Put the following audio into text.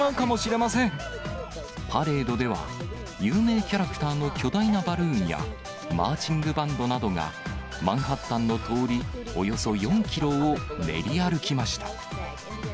パレードでは、有名キャラクターの巨大なバルーンやマーチングバンドなどが、マンハッタンの通り、およそ４キロを練り歩きました。